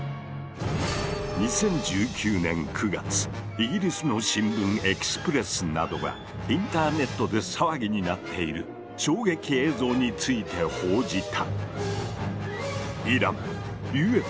イギリスの新聞「ＥＸＰＲＥＳＳ」などがインターネットで騒ぎになっている衝撃映像について報じた。